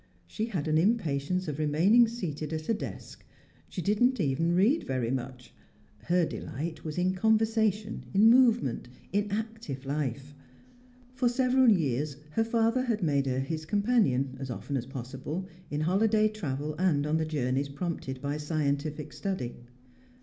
She had an impatience of remaining seated at a desk. She did not even read very much. Her delight was in conversation, in movement, in active life. For several years her father had made her his companion, as often as possible, in holiday travel and on the journeys prompted by scientific study.